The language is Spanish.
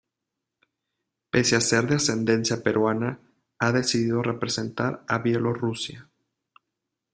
Pese a ser de ascendencia peruana, ha decidido representar a Bielorrusia.